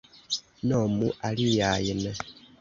Nomu aliajn!